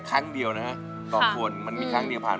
แล้วก็เค้าว่ายังไงบ้าง